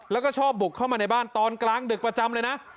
แล้วก็ชอบบุกเข้ามาในบ้านตอนกลางดึกประจำเลยนะ